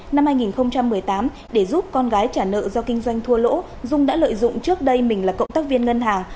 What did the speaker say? năm hai nghìn một mươi tám để giúp con gái trả nợ do kinh doanh thua lỗ dung đã lợi dụng trước đây mình là cộng tác viên ngân hàng